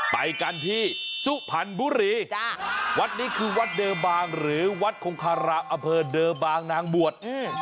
ไปกันที่สุพรรณบุรีวัดนี้คือวัดเดิมบางหรือวัดคงคารามอเภอเดอร์บางนางบวช